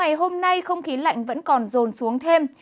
ngày hôm nay không khí lạnh vẫn còn rồn xuống thêm